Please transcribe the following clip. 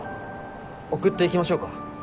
送っていきましょうか？